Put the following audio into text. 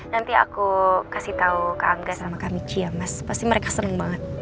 nanti aku kasih tau kak angga sama kak minci ya mas pasti mereka seneng banget